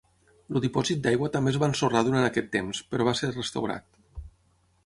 El dipòsit d'aigua també es va ensorrar durant aquest temps, però va ser restaurat.